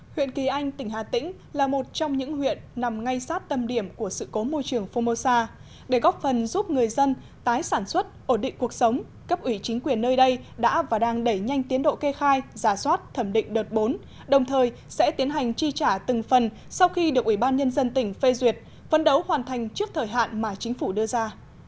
huyện kỳ anh tỉnh hà tĩnh là một trong những huyện nằm ngay sát tâm điểm của sự cố môi trường phomosa để góp phần giúp người dân tái sản xuất ổn định cuộc sống cấp ủy chính quyền nơi đây đã và đang đẩy nhanh tiến độ kê khai giả soát thẩm định đợt bốn đồng thời sẽ tiến hành chi trả từng phần sau khi được ủy ban nhân dân tỉnh phê duyệt phân đấu hoàn thành trước thời hạn mà chính phủ đưa ra